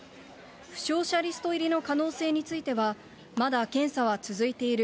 負傷者リスト入りの可能性については、まだ検査は続いている。